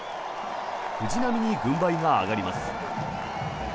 藤浪に軍配が上がります。